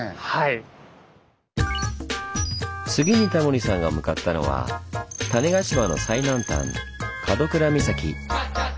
次にタモリさんが向かったのは種子島の最南端門倉岬。